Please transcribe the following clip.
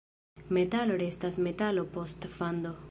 Metalo restas metalo post fando.